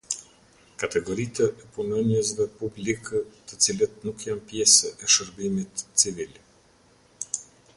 Kategoritë e punonjësve publikë të cilët nuk janë pjesë e Shërbimit Civil.